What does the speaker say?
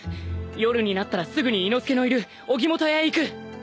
夜になったらすぐに伊之助のいる荻本屋へ行く。